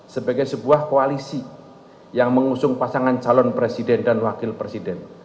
sebagai sebuah koalisi yang mengusung pasangan calon presiden dan wakil presiden